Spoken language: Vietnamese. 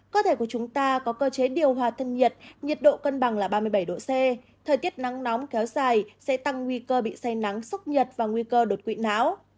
cơ thể của chúng ta có cơ chế điều hòa thân nhiệt nhiệt độ cân bằng là ba mươi bảy độ c thời tiết nắng nóng kéo dài sẽ tăng nguy cơ bị say nắng sốc nhiệt và nguy cơ đột quỵ não